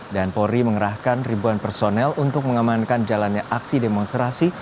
dan polri mengerahkan ribuan personel untuk mengamankan jalannya aksi demonstrasi